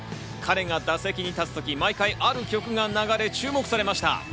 彼が打席に立つ時、毎回ある曲が流れ注目されました。